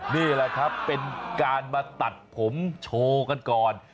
นี่แหละครับเป็นการมาตัดผมโชว์กันก่อน